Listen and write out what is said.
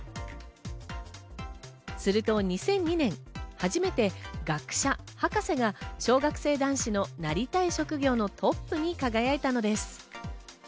すると２００２年、初めて学者・博士が小学生男子のなりたい職業のトップに輝いたのです。